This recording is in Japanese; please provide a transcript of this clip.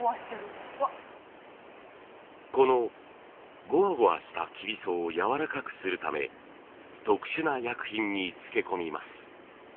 このゴワゴワした生皮苧をやわらかくするため特殊な薬品につけ込みます。